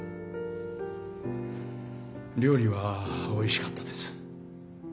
料理はおいしかったです。